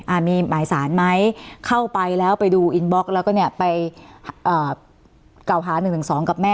อ่ามีหมายสารไหมเข้าไปแล้วไปดูอินบล็อกแล้วก็เนี้ยไปอ่า